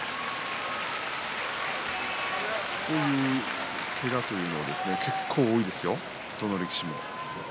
こういう、けがというのは結構多いんですよ、どの力士も。